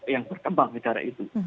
yang berkembang di daerah itu